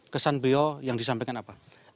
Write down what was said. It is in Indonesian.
kesan beliau yang disampaikan apa